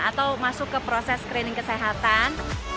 atau masuk ke proses screening kesehatan